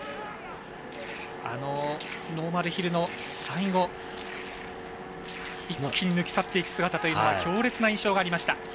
ノーマルヒルの最後一気に抜き去っていく姿というのは強烈な印象がありました。